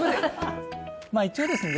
一応ですね